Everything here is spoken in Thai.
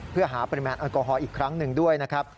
เพื่อหาปริมาณแอลกอฮอลอีกครั้งหนึ่งด้วยนะครับ